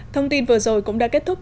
thông tin vừa rồi cũng đã kết thúc